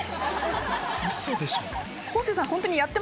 ウソでしょ？